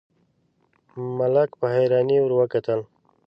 ملک په حيرانۍ ور وکتل: